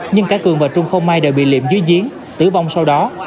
nhưng cả cường và trung không may đợi bị liệm dưới giếng tử vong sau đó